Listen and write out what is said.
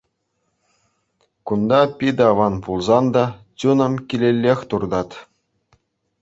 Кунта питӗ аван пулсан та, чунӑм килеллех туртать.